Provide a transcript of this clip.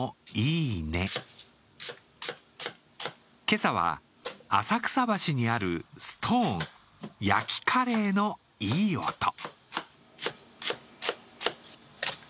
今朝は、浅草橋にあるストーン焼きカレーのいい音。